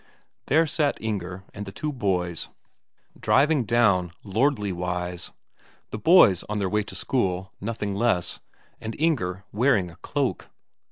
There sat Inger and the two boys, driving down lordly wise the boys on their way to school, nothing less, and Inger wearing a cloak.